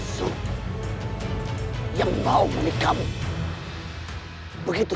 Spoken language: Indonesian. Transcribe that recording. semoga mereka lakukan sesuatu yang tersenuh